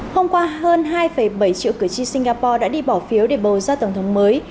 hôm qua hơn hai bảy triệu cử tri singapore đã đi bỏ phiếu để bầu ra tổng thống mới